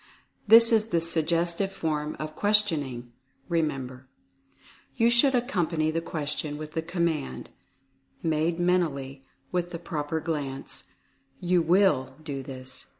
(this is the Suggestive Form of Questioning, remember) you should accom pany the question with the COMMAND (made men tally) with the proper glance, "You WILL do this."